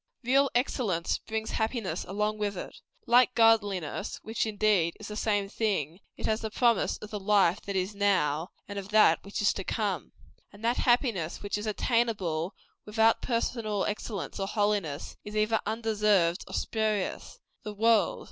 Real excellence brings happiness along with it. Like godliness which, indeed, is the same thing it has the promise of the life that now is, and of that which is to come. And that happiness which is attainable without personal excellence or holiness, is either undeserved or spurious. The world.